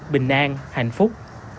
bình an hạnh phúc